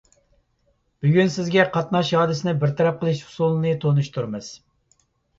بۈگۈن سىزگە قاتناش ھادىسىسىنى بىر تەرەپ قىلىش ئۇسۇلىنى تونۇشتۇرىمىز.